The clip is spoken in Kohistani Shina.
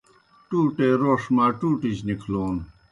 ٹُوٹے روݜ ماٹوٹِجیْ نِکھلون